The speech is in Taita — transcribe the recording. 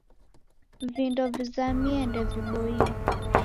Vindo vizamie ndeviboie